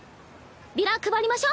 ビラ配りましょ！